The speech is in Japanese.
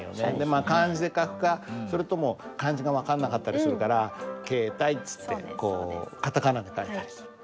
まあ漢字で書くかそれとも漢字が分かんなかったりするから「ケータイ」っつってこうカタカナで書いたりする。